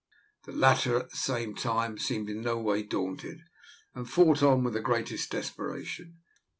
The latter at the same time seemed in no way daunted, and fought on with the greatest desperation.